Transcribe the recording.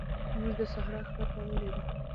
موږ د صحرا خټه ولیده.